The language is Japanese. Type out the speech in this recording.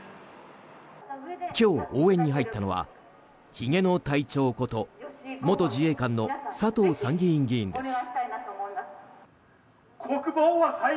今日、応援に入ったのはひげの隊長こと元自衛官の佐藤参院議員です。